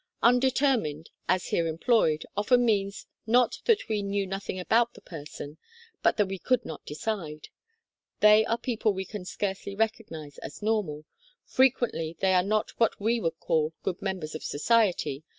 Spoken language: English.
("Undetermined," as here employed, often means not that we knew nothing about the person, but that we could not decide. They are people we can scarcely recognize as normal ; frequently they are not what we could call good members of society.